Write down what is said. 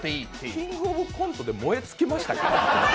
「キングオブコント」で燃え尽きましたか？